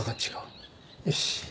よし。